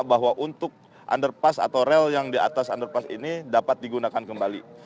bahwa untuk underpass atau rel yang di atas underpass ini dapat digunakan kembali